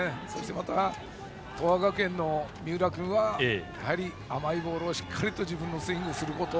また、東亜学園の三浦君は甘いボールをしっかりと自分のスイングをすること。